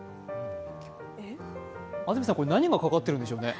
安住さん、これ何がかかっているんでしょうね？